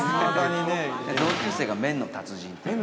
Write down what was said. ◆同級生が麺の達人っていう。